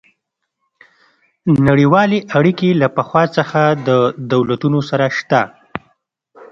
نړیوالې اړیکې له پخوا څخه د دولتونو سره شته